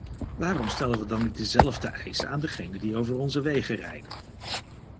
Waarom stellen we dan niet dezelfde eisen aan degenen die over onze wegen rijden?